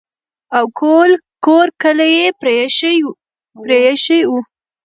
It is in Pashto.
او کور کلی یې پرې ایښی وو.